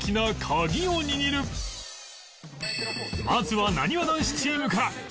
まずはなにわ男子チームから